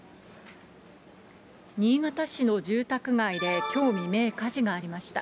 新潟市の住宅街できょう未明、火事がありました。